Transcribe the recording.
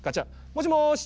「もしもし」。